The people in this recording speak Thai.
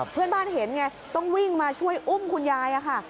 เพื่อนบ้านเห็นไงต้องวิ่งมาช่วยอุ้มคุณยายค่ะ